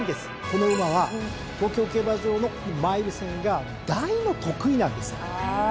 この馬は東京競馬場のマイル戦が大の得意なんです。